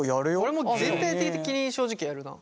俺も全体的に正直やるな。